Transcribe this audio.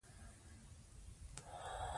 هر څه خپل وخت لري.